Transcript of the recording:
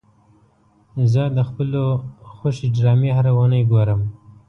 زه د خپلو خوښې ډرامې هره اونۍ ګورم.